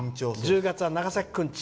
１０月は長崎くんち。